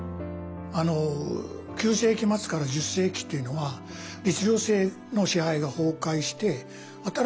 ９世紀末から１０世紀っていうのは律令制の支配が崩壊して新しい社会になってきて。